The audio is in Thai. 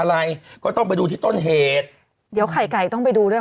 อะไรก็ต้องไปดูที่ต้นเหตุเดี๋ยวไข่ไก่ต้องไปดูด้วย